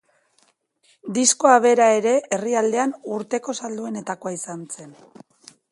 Diskoa bera ere herrialdean urteko salduenetakoa izan zen.